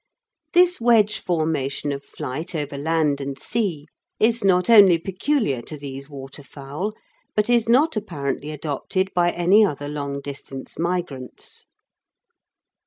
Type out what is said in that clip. This wedge formation of flight over land and sea is not only peculiar to these waterfowl, but is not apparently adopted by any other long distance migrants.